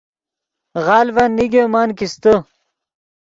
غلڤن نیگے من کیستے